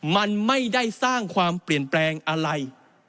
มันไม่ได้สร้างความเปลี่ยนแปลงอะไร